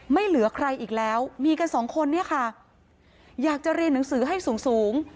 ไม่เหลือใครอีกแล้วมีกันสองคนเนี่ยค่ะอยากจะเรียนหนังสือให้สูงสูง